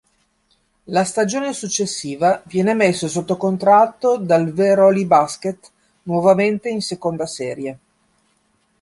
La stagione successiva viene messo sotto contratto dal Veroli Basket, nuovamente in seconda serie.